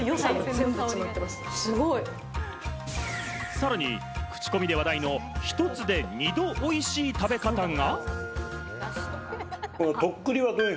さらにクチコミで話題の１つで２度おいしい食べ方が。